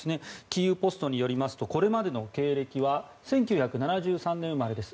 キーウポストによりますとこれまでの経歴は１９７３年生まれです。